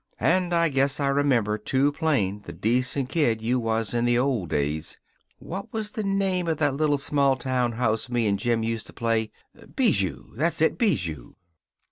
And I guess I remember too plain the decent kid you was in the old days. What was the name of that little small time house me and Jim used to play? Bijou, that's it; Bijou."